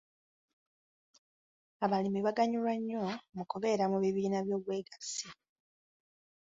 Abalimi baganyulwa nnyo mu kubeera mu bibiina by'obwegassi.